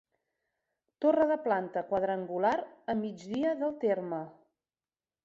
Torre de planta quadrangular a migdia del terme.